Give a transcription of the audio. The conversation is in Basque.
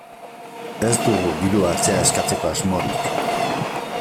Ez dugu dirua atzera eskatzeko asmorik.